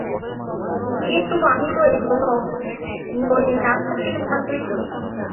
কিন্তু আমি তো এজন্য নলিনাক্ষকে ভালোই বলি।